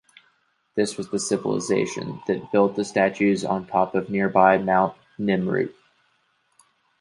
This was the civilisation that built the statues on top of nearby Mount Nemrut.